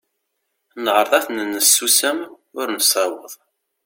Neɛreḍ ad ten-nessusem, ur nessaweḍ.